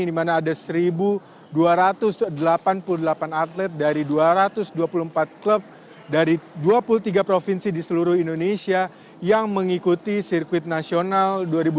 dimana ada satu dua ratus delapan puluh delapan atlet dari dua ratus dua puluh empat klub dari dua puluh tiga provinsi di seluruh indonesia yang mengikuti sirkuit nasional